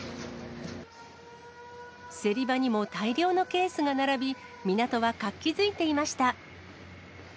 競り場にも大量のケースが並び、港は活気づいていました。